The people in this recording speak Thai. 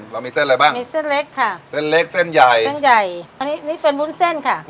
เรามีเส้นอะไรบ้างเส้นเล็กค่ะอันนี้เป็นวุ้นเส้นค่ะอันนี้เป็นวุ้นเส้นค่ะ